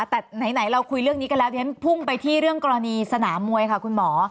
แต่ไหนเราคุยเรื่องนี้กันแล้วเดี๋ยวฉันพุ่งไปที่เรื่องกรณีสนามมวยค่ะคุณหมอ